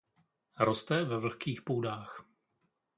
Roste ve vlhkých půdách.